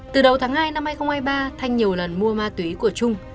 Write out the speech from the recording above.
từ đầu tháng hai năm hai nghìn hai mươi ba thanh nhiều lần mua ma túy của trung